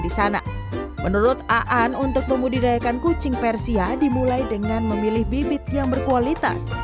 disana menurut aan untuk memudidayakan kucing persia dimulai dengan memilih bibit yang berkualitas